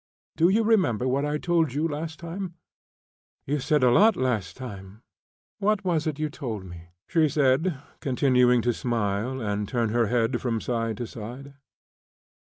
Do you remember what I told you last time?" "You said a lot last time. What was it you told me?" she said, continuing to smile and to turn her head from side to side.